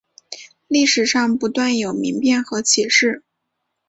历史上不断有民变和起事。